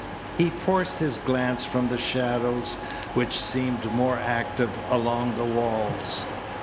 He forced his glance from the shadows which seemed more active along the walls.